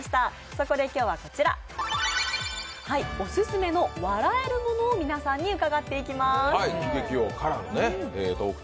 そこで今日は、オススメの笑えるものを皆さんに伺っていきます。